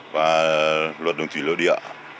và luật đường thủy lối địa